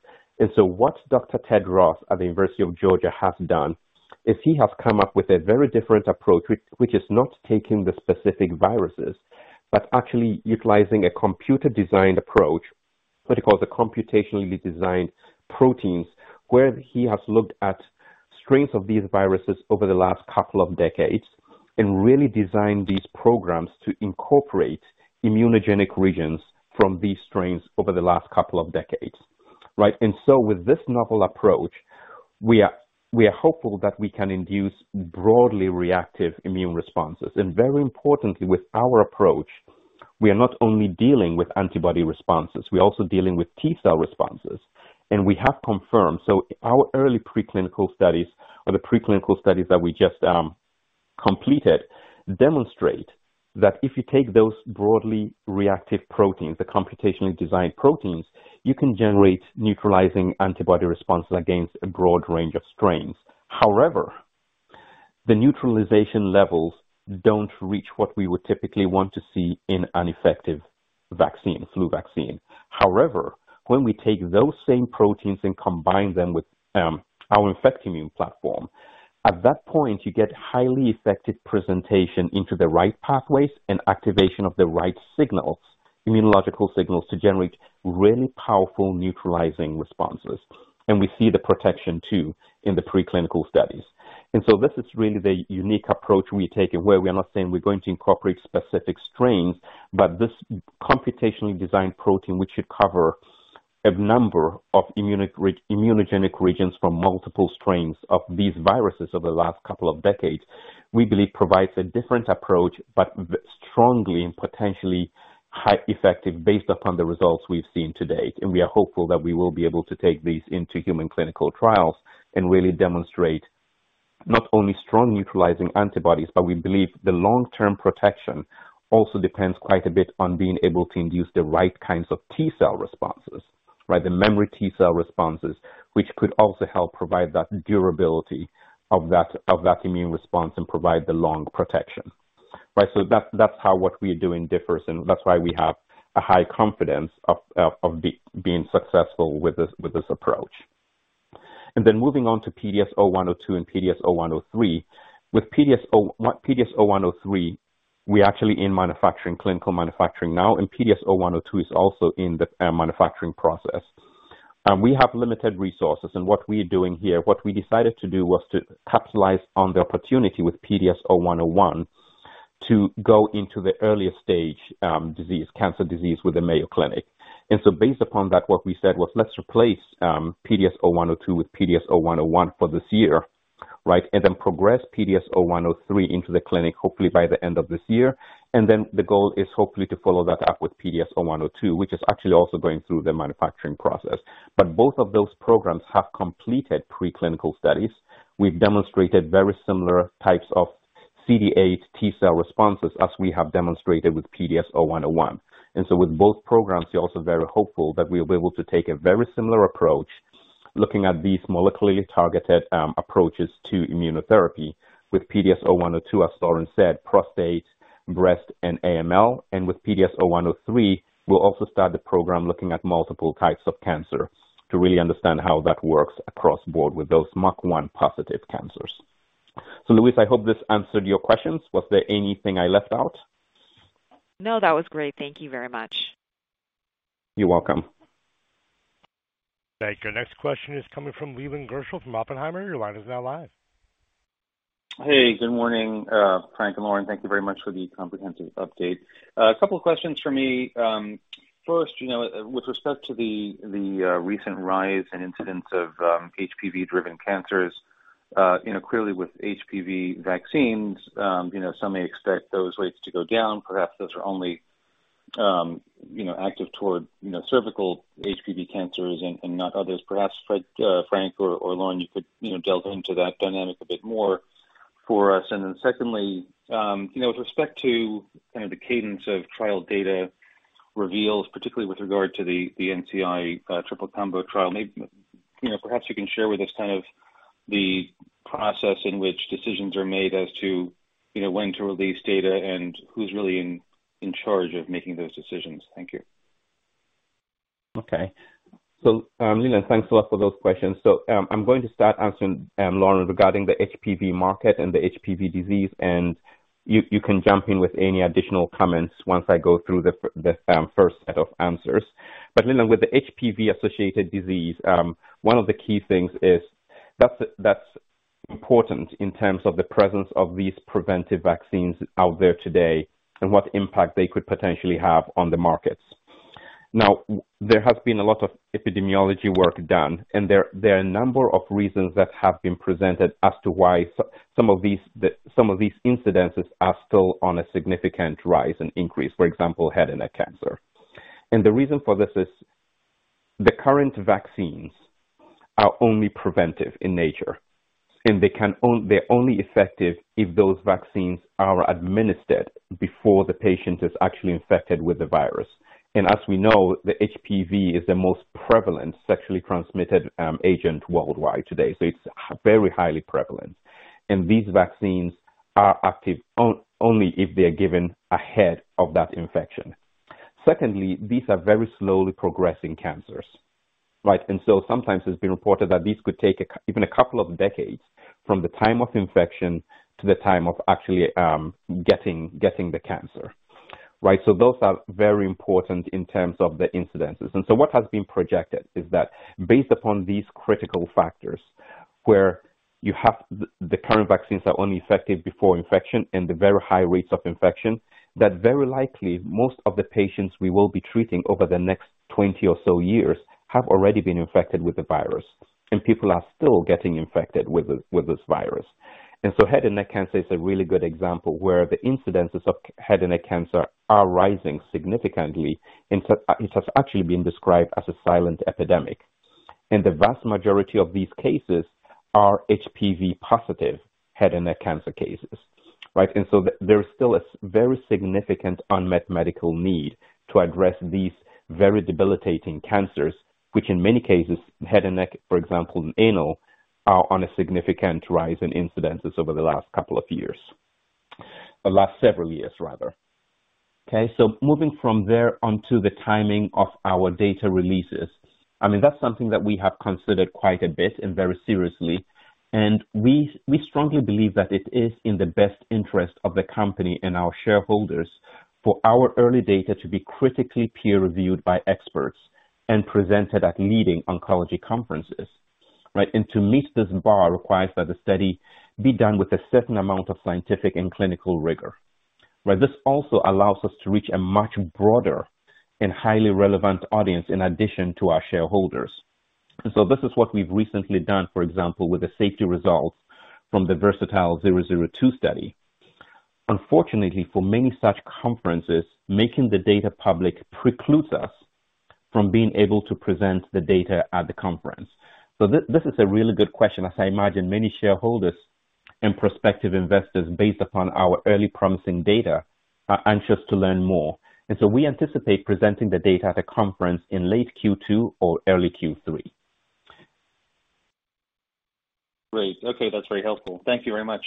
What Dr. Ted Ross at the University of Georgia has done is he has come up with a very different approach, which is not taking the specific viruses, but actually utilizing a computer designed approach, what do you call the computationally designed proteins, where he has looked at strains of these viruses over the last couple of decades and really designed these programs to incorporate immunogenic regions from these strains over the last couple of decades. Right? With this novel approach, we are hopeful that we can induce broadly reactive immune responses. Very importantly, with our approach, we are not only dealing with antibody responses, we're also dealing with T-cell responses. We have confirmed, so our preclinical studies that we just completed demonstrate that if you take those broadly reactive proteins, the computationally designed proteins, you can generate neutralizing antibody responses against a broad range of strains. However, the neutralization levels don't reach what we would typically want to see in an effective vaccine, flu vaccine. However, when we take those same proteins and combine them with our Infectimune platform, at that point, you get highly effective presentation into the right pathways and activation of the right signals, immunological signals, to generate really powerful neutralizing responses. We see the protection too in the preclinical studies. This is really the unique approach we're taking, where we are not saying we're going to incorporate specific strains, but this computationally designed protein, which should cover a number of immunogenic regions from multiple strains of these viruses over the last couple of decades, we believe provides a different approach, but very strongly and potentially highly effective based upon the results we've seen to date. We are hopeful that we will be able to take these into human clinical trials and really demonstrate not only strong neutralizing antibodies, but we believe the long-term protection also depends quite a bit on being able to induce the right kinds of T-cell responses, right? The memory T-cell responses, which could also help provide that durability of that immune response and provide the long protection. Right? That's how what we are doing differs, and that's why we have a high confidence of being successful with this approach. Then moving on to PDS-0102 and PDS-0103. With PDS-0103, we're actually in manufacturing, clinical manufacturing now, and PDS-0102 is also in the manufacturing process. We have limited resources and what we are doing here, what we decided to do was to capitalize on the opportunity with PDS-0101 to go into the earliest stage cancer disease with the Mayo Clinic. Based upon that, what we said was, let's replace PDS-0102 with PDS-0101 for this year, right? Then progress PDS-0103 into the clinic, hopefully by the end of this year. Then the goal is hopefully to follow that up with PDS-0102, which is actually also going through the manufacturing process. Both of those programs have completed preclinical studies. We've demonstrated very similar types of CD8+ T-cell responses as we have demonstrated with PDS-0101. With both programs, we're also very hopeful that we'll be able to take a very similar approach looking at these molecularly targeted approaches to immunotherapy. With PDS-0102, as Lauren said, prostate, breast, and AML. With PDS-0103, we'll also start the program looking at multiple types of cancer to really understand how that works across the board with those MUC1-positive cancers. Louise, I hope this answered your questions. Was there anything I left out? No, that was great. Thank you very much. You're welcome. Thank you. Next question is coming from Leland Gershell from Oppenheimer. Your line is now live. Hey, good morning, Frank and Lauren. Thank you very much for the comprehensive update. A couple questions for me. First, you know, with respect to the recent rise in incidence of HPV-driven cancers, you know, clearly with HPV vaccines, you know, some may expect those rates to go down. Perhaps those are only, you know, active toward cervical HPV cancers and not others. Perhaps, Frank or Lauren, you could, you know, delve into that dynamic a bit more for us. Secondly, you know, with respect to kind of the cadence of trial data reveals, particularly with regard to the NCI triple combo trial, you know, perhaps you can share with us kind of the process in which decisions are made as to, you know, when to release data and who's really in charge of making those decisions. Thank you. Okay. Leland, thanks a lot for those questions. I'm going to start answering, Lauren, regarding the HPV market and the HPV disease, and you can jump in with any additional comments once I go through the first set of answers. Leland, with the HPV-associated disease, one of the key things is that's important in terms of the presence of these preventive vaccines out there today and what impact they could potentially have on the markets. Now, there has been a lot of epidemiology work done, and there are a number of reasons that have been presented as to why some of these incidences are still on a significant rise and increase, for example, head and neck cancer. The reason for this is the current vaccines are only preventive in nature, and they can on... They're only effective if those vaccines are administered before the patient is actually infected with the virus. As we know, the HPV is the most prevalent sexually transmitted agent worldwide today. It's very highly prevalent. These vaccines are active only if they're given ahead of that infection. Secondly, these are very slowly progressing cancers, right? Sometimes it's been reported that these could take even a couple of decades from the time of infection to the time of actually getting the cancer. Right. Those are very important in terms of the incidences. What has been projected is that based upon these critical factors, where you have the current vaccines are only effective before infection and the very high rates of infection, that very likely most of the patients we will be treating over the next 20 or so years have already been infected with the virus, and people are still getting infected with this virus. Head and neck cancer is a really good example where the incidences of head and neck cancer are rising significantly, it has actually been described as a silent epidemic. The vast majority of these cases are HPV positive head and neck cancer cases, right? There is still a very significant unmet medical need to address these very debilitating cancers, which in many cases, head and neck, for example, and anal, are on a significant rise in incidences over the last couple of years. The last several years, rather. Okay, moving from there on to the timing of our data releases. I mean, that's something that we have considered quite a bit and very seriously. We strongly believe that it is in the best interest of the company and our shareholders for our early data to be critically peer-reviewed by experts and presented at leading oncology conferences. Right? To meet this bar requires that the study be done with a certain amount of scientific and clinical rigor. While this also allows us to reach a much broader and highly relevant audience in addition to our shareholders. This is what we've recently done, for example, with the safety results from the VERSATILE-002 study. Unfortunately, for many such conferences, making the data public precludes us from being able to present the data at the conference. This is a really good question, as I imagine many shareholders and prospective investors, based upon our early promising data, are anxious to learn more. We anticipate presenting the data at a conference in late Q2 or early Q3. Great. Okay, that's very helpful. Thank you very much.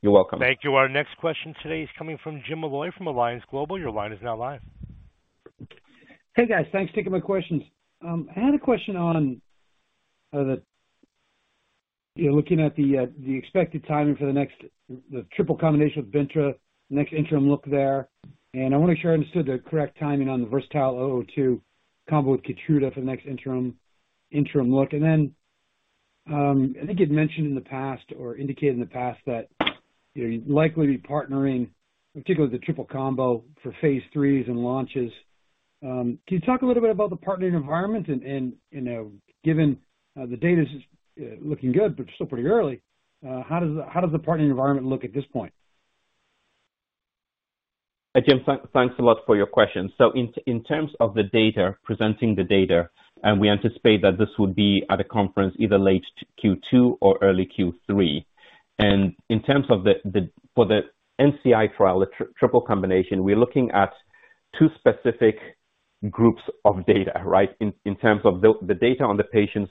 You're welcome. Thank you. Our next question today is coming from James Molloy from Alliance Global Partners. Your line is now live. Hey, guys. Thanks for taking my questions. I had a question on the expected timing for the next triple combination of Versamune, the next interim look there. I wanna make sure I understood the correct timing on the VERSATILE-002 combo with KEYTRUDA for the next interim look. I think you'd mentioned in the past or indicated in the past that you're likely to be partnering, particularly the triple combo for phase IIIs and launches. Can you talk a little bit about the partnering environment and, you know, given the data's looking good, but still pretty early, how does the partnering environment look at this point? Jim. Thanks a lot for your question. In terms of the data presenting the data, we anticipate that this would be at a conference either late Q2 or early Q3. In terms of the for the NCI trial, the triple combination, we're looking at two specific groups of data, right? In terms of the data on the patients,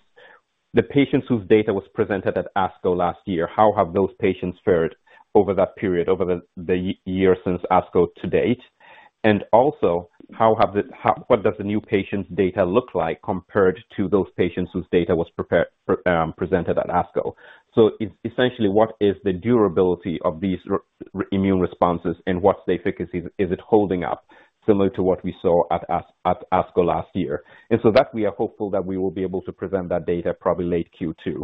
the patients whose data was presented at ASCO last year, how have those patients fared over that period, over the year since ASCO to date? Also, what does the new patients' data look like compared to those patients whose data was presented at ASCO? Essentially, what is the durability of these immune responses and what's the efficacy? Is it holding up similar to what we saw at ASCO last year? That we are hopeful that we will be able to present that data probably late Q2.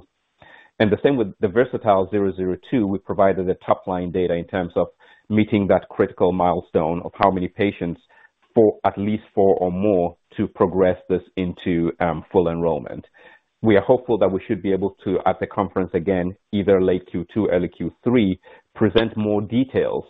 The same with the VERSATILE-002, we've provided the top line data in terms of meeting that critical milestone of how many patients for at least four or more to progress this into full enrollment. We are hopeful that we should be able to, at the conference, again, either late Q2, early Q3, present more details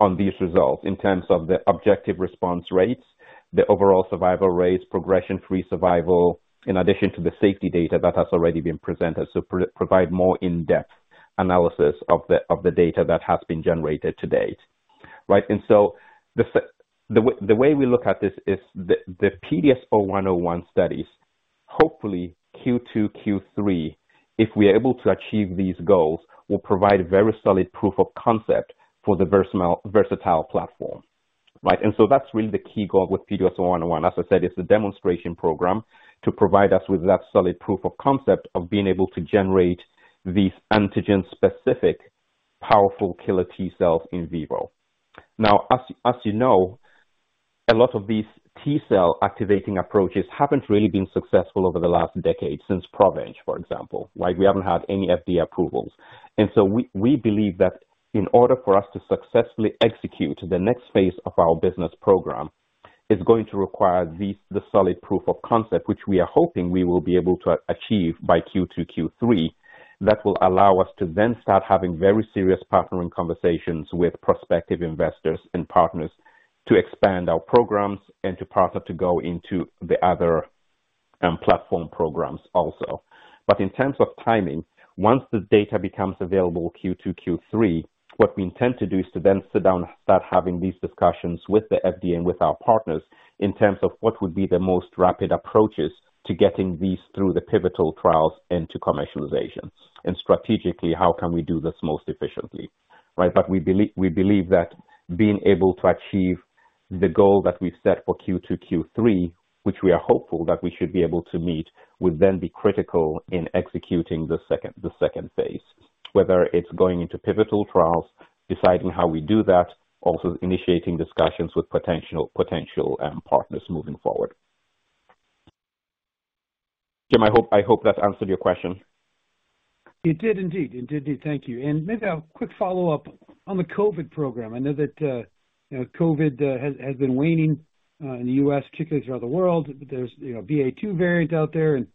on these results in terms of the objective response rates, the overall survival rates, progression-free survival, in addition to the safety data that has already been presented. Provide more in-depth analysis of the data that has been generated to date. Right. The way we look at this is the PDS0101 studies. Hopefully Q2, Q3, if we are able to achieve these goals, will provide very solid proof of concept for the Versamune platform, right? That's really the key goal with PDS0101. As I said, it's a demonstration program to provide us with that solid proof of concept of being able to generate these antigen-specific powerful killer T cells in vivo. Now, as you know, a lot of these T-cell activating approaches haven't really been successful over the last decade, since PROVENGE, for example. Like, we haven't had any FDA approvals. We believe that in order for us to successfully execute the next phase of our business program is going to require these solid proof of concept, which we are hoping we will be able to achieve by Q2, Q3, that will allow us to then start having very serious partnering conversations with prospective investors and partners to expand our programs and to partner to go into the other platform programs also. In terms of timing, once the data becomes available Q2, Q3, what we intend to do is to then sit down and start having these discussions with the FDA and with our partners in terms of what would be the most rapid approaches to getting these through the pivotal trials into commercialization. Strategically, how can we do this most efficiently, right? We believe that being able to achieve the goal that we've set for Q2, Q3, which we are hopeful that we should be able to meet, would then be critical in executing the second phase, whether it's going into pivotal trials, deciding how we do that, also initiating discussions with potential partners moving forward. Jim, I hope that answered your question. It did indeed. Thank you. Maybe a quick follow-up on the COVID program. I know that COVID has been waning in the U.S., particularly throughout the world. There's BA.2 variants out there, and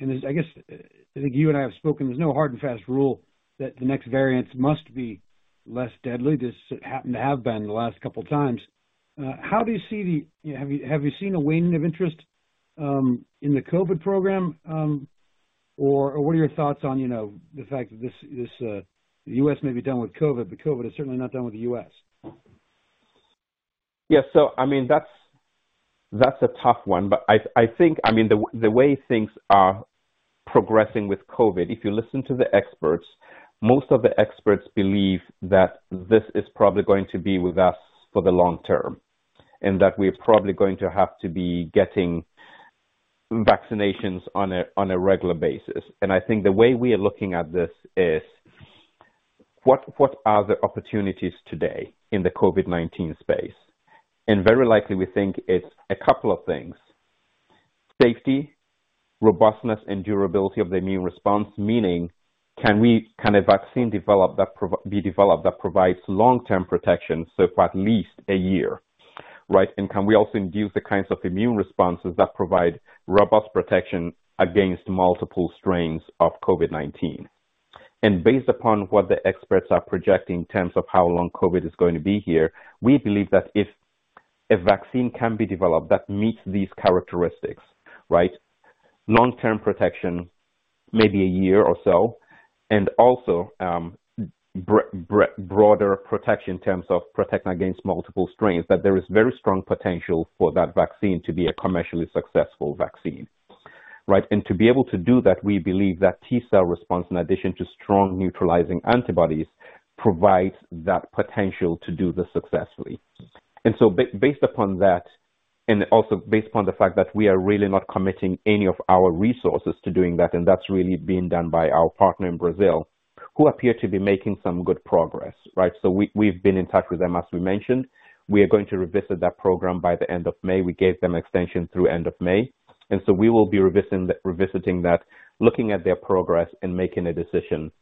I guess I think you and I have spoken, there's no hard and fast rule that the next variants must be less deadly. Just happened to have been the last couple times. Have you seen a waning of interest in the COVID program? Or what are your thoughts on the fact that the U.S. may be done with COVID, but COVID is certainly not done with the U.S. I mean, that's a tough one. I think I mean, the way things are progressing with COVID, if you listen to the experts, most of the experts believe that this is probably going to be with us for the long term, and that we're probably going to have to be getting vaccinations on a regular basis. I think the way we are looking at this is what are the opportunities today in the COVID-19 space? Very likely, we think it's a couple of things, safety, robustness, and durability of the immune response. Meaning, can a vaccine be developed that provides long-term protection, so for at least a year, right? Can we also induce the kinds of immune responses that provide robust protection against multiple strains of COVID-19? Based upon what the experts are projecting in terms of how long COVID is going to be here, we believe that if a vaccine can be developed that meets these characteristics, right? Long-term protection, maybe a year or so, and also, broader protection in terms of protecting against multiple strains, that there is very strong potential for that vaccine to be a commercially successful vaccine, right? To be able to do that, we believe that T-cell response, in addition to strong neutralizing antibodies, provides that potential to do this successfully. Based upon that, and also based upon the fact that we are really not committing any of our resources to doing that, and that's really being done by our partner in Brazil, who appear to be making some good progress, right? We've been in touch with them, as we mentioned. We are going to revisit that program by the end of May. We gave them extension through end of May, and so we will be revisiting that, looking at their progress and making a decision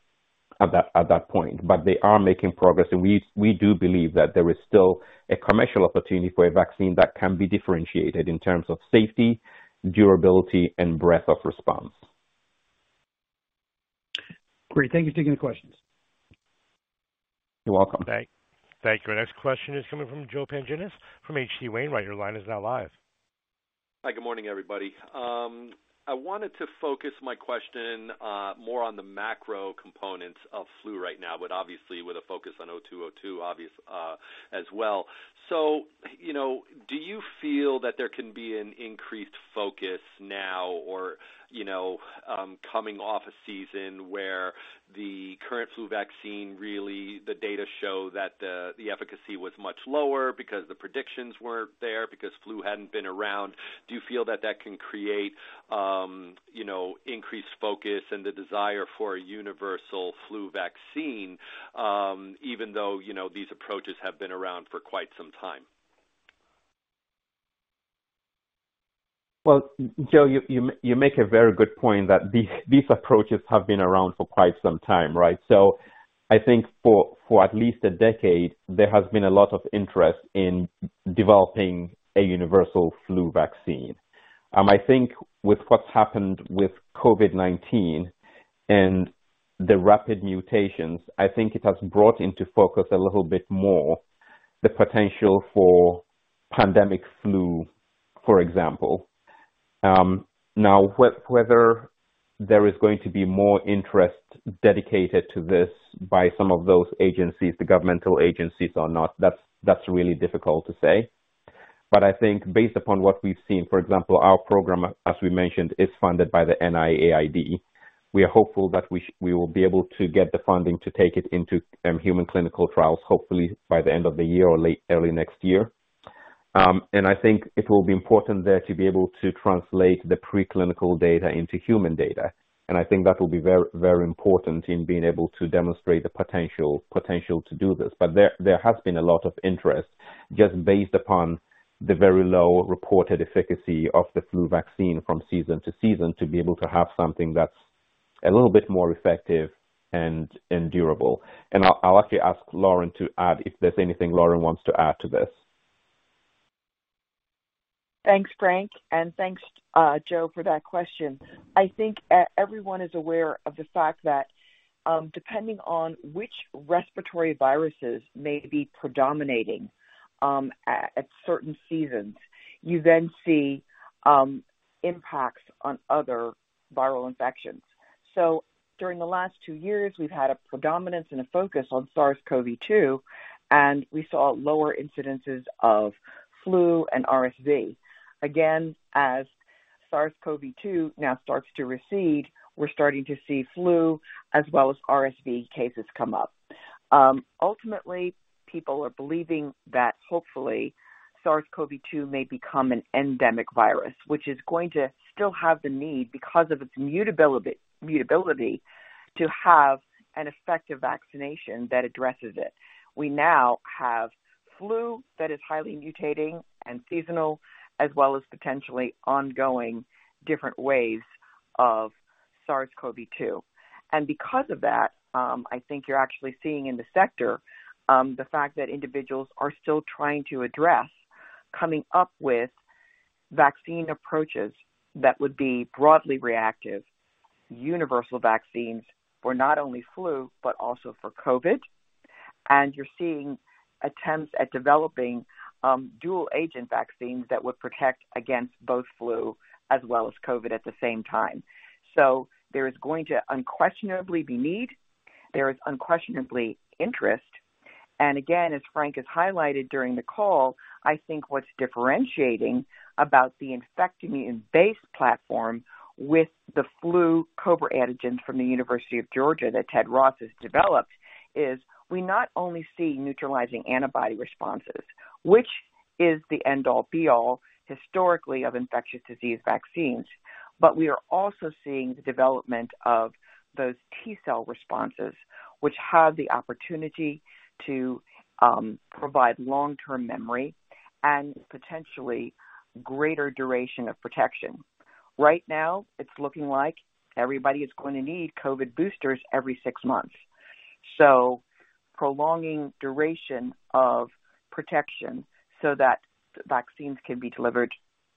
at that point. They are making progress. We do believe that there is still a commercial opportunity for a vaccine that can be differentiated in terms of safety, durability, and breadth of response. Great. Thank you for taking the questions. You're welcome. Thank you. Our next question is coming from Joseph Pantginis from H.C. Wainwright. Your line is now live. Good morning, everybody. I wanted to focus my question more on the macro components of flu right now, but obviously with a focus on PDS0202, obvious as well. You know, do you feel that there can be an increased focus now or, you know, coming off a season where the current flu vaccine, really the data show that the efficacy was much lower because the predictions weren't there, because flu hadn't been around. Do you feel that that can create, you know, increased focus and the desire for a universal flu vaccine, even though, you know, these approaches have been around for quite some time? Well, Joe, you make a very good point that these approaches have been around for quite some time, right? I think for at least a decade, there has been a lot of interest in developing a universal flu vaccine. I think with what's happened with COVID-19 and the rapid mutations, it has brought into focus a little bit more the potential for pandemic flu, for example. Now whether there is going to be more interest dedicated to this by some of those agencies, the governmental agencies or not, that's really difficult to say. I think based upon what we've seen, for example, our program, as we mentioned, is funded by the NIAID. We are hopeful that we will be able to get the funding to take it into human clinical trials, hopefully by the end of the year or early next year. I think it will be important there to be able to translate the preclinical data into human data. I think that will be very, very important in being able to demonstrate the potential to do this. There has been a lot of interest just based upon the very low reported efficacy of the flu vaccine from season to season, to be able to have something that's a little bit more effective and durable. I'll actually ask Lauren to add if there's anything Lauren wants to add to this. Thanks, Frank, and thanks, Joe, for that question. I think everyone is aware of the fact that, depending on which respiratory viruses may be predominating, at certain seasons, you then see impacts on other viral infections. During the last two years, we've had a predominance and a focus on SARS-CoV-2, and we saw lower incidences of flu and RSV. Again, as SARS-CoV-2 now starts to recede, we're starting to see flu as well as RSV cases come up. Ultimately, people are believing that hopefully SARS-CoV-2 may become an endemic virus, which is going to still have the need because of its mutability to have an effective vaccination that addresses it. We now have flu that is highly mutating and seasonal, as well as potentially ongoing different waves of SARS-CoV-2. Because of that, I think you're actually seeing in the sector, the fact that individuals are still trying to address coming up with vaccine approaches that would be broadly reactive, universal vaccines for not only flu but also for COVID. You're seeing attempts at developing, dual agent vaccines that would protect against both flu as well as COVID at the same time. There is going to unquestionably be need. There is unquestionably interest. Again, as Frank has highlighted during the call, I think what's differentiating about the Infectimune base platform with the flu COBRA antigens from the University of Georgia that Ted Ross has developed is we not only see neutralizing antibody responses, which is the end all be all historically of infectious disease vaccines, but we are also seeing the development of those T-cell responses, which have the opportunity to provide long-term memory and potentially greater duration of protection. Right now it's looking like everybody is going to need COVID boosters every six months. Prolonging duration of protection so that vaccines can be delivered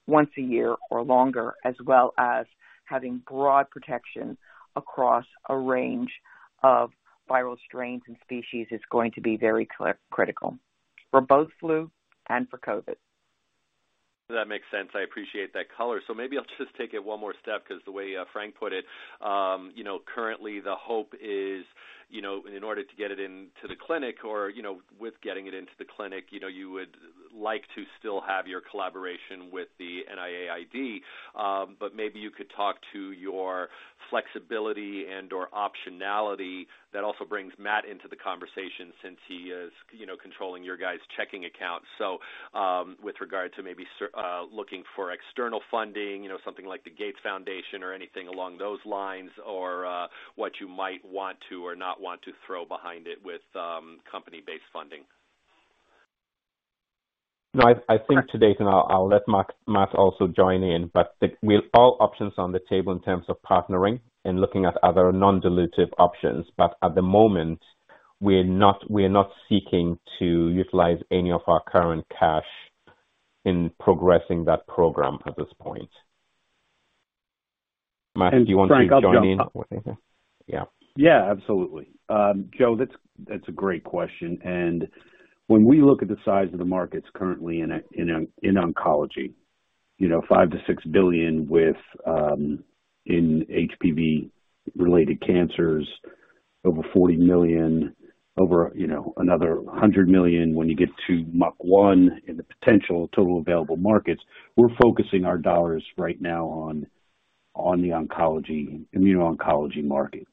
once a year or longer, as well as having broad protection across a range of viral strains and species, is going to be very critical for both flu and for COVID. That makes sense. I appreciate that color. Maybe I'll just take it one more step because the way Frank put it, you know, currently the hope is, you know, in order to get it into the clinic or, you know, with getting it into the clinic, you know, you would like to still have your collaboration with the NIAID. Maybe you could talk to your flexibility and/or optionality. That also brings Matt into the conversation since he is, you know, controlling your guys' checking account. With regard to maybe looking for external funding, you know, something like the Gates Foundation or anything along those lines or what you might want to or not want to throw behind it with company-based funding. No, I think to date, and I'll let Matt also join in, but with all options on the table in terms of partnering and looking at other non-dilutive options. At the moment we're not seeking to utilize any of our current cash in progressing that program at this point. Matt, do you want to join in? Absolutely. Joe, that's a great question. When we look at the size of the markets currently in oncology, you know, $5 billion-$6 billion with in HPV-related cancers, over $40 million, you know, another $100 million when you get to MUC1 and the potential total available markets, we're focusing our dollars right now on the oncology, immuno-oncology market.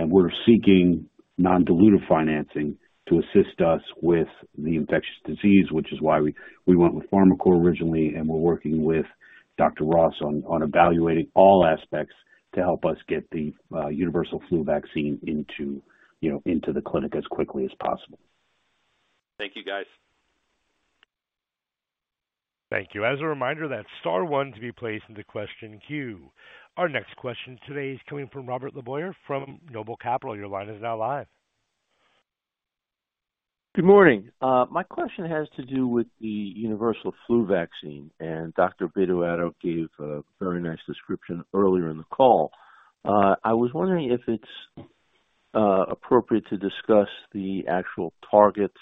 We're seeking non-dilutive financing to assist us with the infectious disease, which is why we went with Farmacore originally and we're working with Dr. Ross on evaluating all aspects to help us get the universal flu vaccine into the clinic as quickly as possible. Thank you guys. Thank you. As a reminder, that's star one to be placed into question queue. Our next question today is coming from Robert LeBoyer from Noble Capital. Your line is now live. Good morning. My question has to do with the universal flu vaccine, and Dr. Bedu-Addo gave a very nice description earlier in the call. I was wondering if it's Appropriate to discuss the actual targets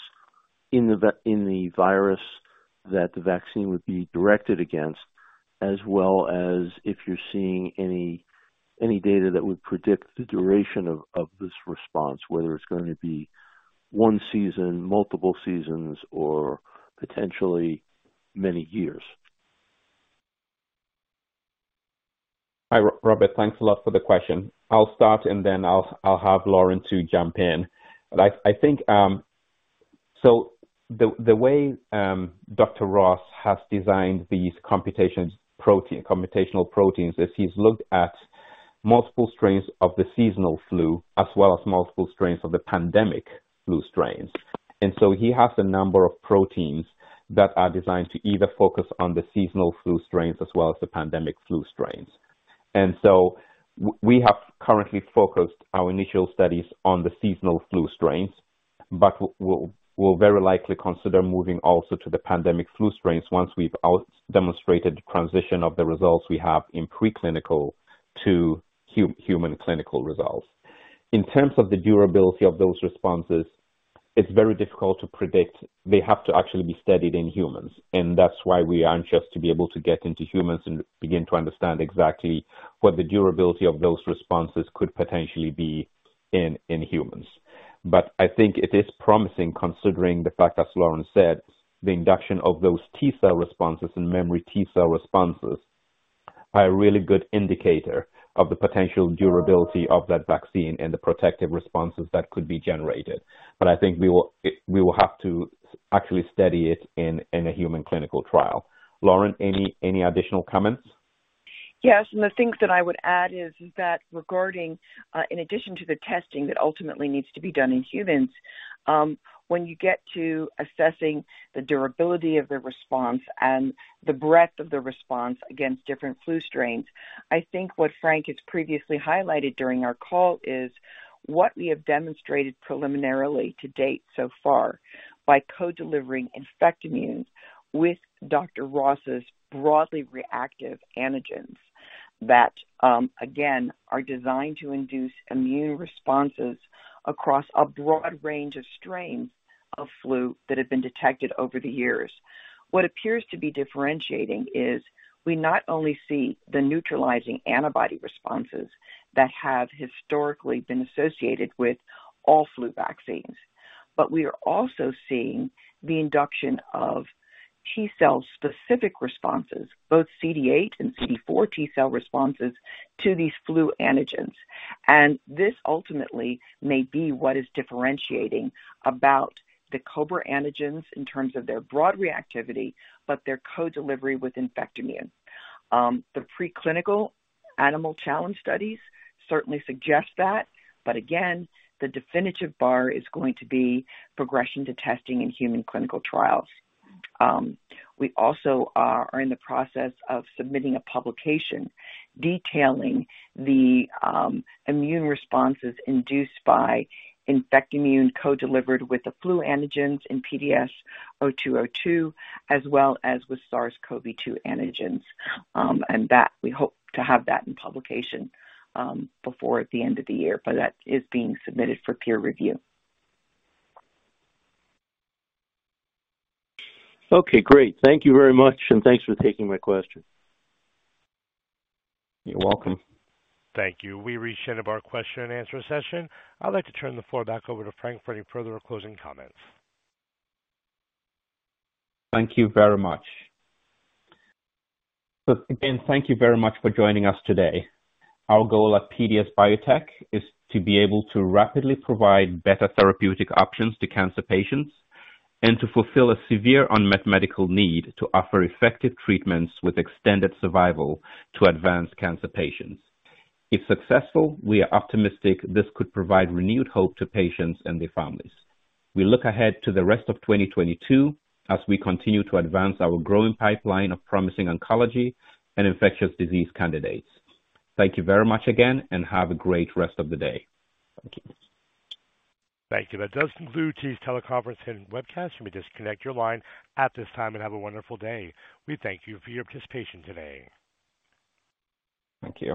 in the virus that the vaccine would be directed against, as well as if you're seeing any data that would predict the duration of this response, whether it's going to be one season, multiple seasons, or potentially many years. Robert. Thanks a lot for the question. I'll start, and then I'll have Lauren jump in. I think the way Dr. Ross has designed these computational proteins is he's looked at multiple strains of the seasonal flu as well as multiple strains of the pandemic flu strains. We have currently focused our initial studies on the seasonal flu strains, but we'll very likely consider moving also to the pandemic flu strains once we've demonstrated translation of the results we have in preclinical to human clinical results. In terms of the durability of those responses, it's very difficult to predict. They have to actually be studied in humans, and that's why we are anxious to be able to get into humans and begin to understand exactly what the durability of those responses could potentially be in humans. I think it is promising considering the fact, as Lauren said, the induction of those T-cell responses and memory T-cell responses are a really good indicator of the potential durability of that vaccine and the protective responses that could be generated. I think we will have to actually study it in a human clinical trial. Lauren, any additional comments? Yes. The thing that I would add is that regarding, in addition to the testing that ultimately needs to be done in humans, when you get to assessing the durability of the response and the breadth of the response against different flu strains, I think what Frank has previously highlighted during our call is what we have demonstrated preliminarily to date so far by co-delivering Infectimune with Dr. Ross's broadly reactive antigens that, again, are designed to induce immune responses across a broad range of strains of flu that have been detected over the years. What appears to be differentiating is we not only see the neutralizing antibody responses that have historically been associated with all flu vaccines, but we are also seeing the induction of T-cell specific responses, both CD8 and CD4 T-cell responses to these flu antigens. This ultimately may be what is differentiating about the COBRA antigens in terms of their broad reactivity, but their co-delivery with Infectimune. The preclinical animal challenge studies certainly suggest that, but again, the definitive bar is going to be progression to testing in human clinical trials. We also are in the process of submitting a publication detailing the immune responses induced by Infectimune co-delivered with the flu antigens in PDS0202, as well as with SARS-CoV-2 antigens. That we hope to have that in publication before the end of the year, but that is being submitted for peer review. Okay, great. Thank you very much, and thanks for taking my question. You're welcome. Thank you. We reached the end of our question and answer session. I'd like to turn the floor back over to Frank for any further closing comments. Thank you very much. Again, thank you very much for joining us today. Our goal at PDS Biotech is to be able to rapidly provide better therapeutic options to cancer patients and to fulfill a severe unmet medical need to offer effective treatments with extended survival to advanced cancer patients. If successful, we are optimistic this could provide renewed hope to patients and their families. We look ahead to the rest of 2022 as we continue to advance our growing pipeline of promising oncology and infectious disease candidates. Thank you very much again, and have a great rest of the day. Thank you. Thank you. That does conclude today's teleconference and webcast. You may disconnect your line at this time and have a wonderful day. We thank you for your participation today. Thank you.